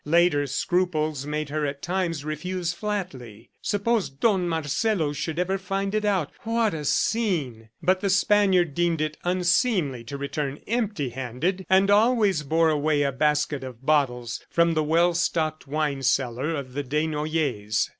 Later scruples made her at times refuse flatly. Suppose Don Marcelo should ever find it out, what a scene! ... But the Spaniard deemed it unseemly to return empty handed, and always bore away a basket of bottles from the well stocked wine cellar of the Desnoyers.